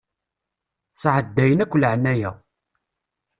Sɛeddayen akk laɛnaya.